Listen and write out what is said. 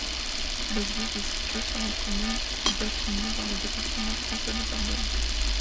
L'église est située sur la commune d'Attigny, dans le département français des Ardennes.